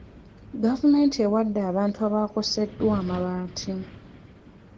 Gavumenti ewadde abantu abaakoseddwa amabaati.